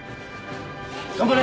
頑張れ！